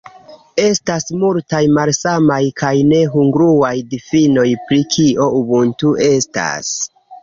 Estas multaj malsamaj, kaj ne kongruaj, difinoj pri kio "ubuntu" estas.